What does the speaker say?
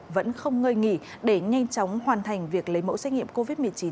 vẫn không ngơi nghỉ để nhanh chóng hoàn thành việc lấy mẫu xét nghiệm covid một mươi chín cho người dân